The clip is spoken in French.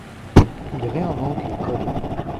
Il réinvente les codes.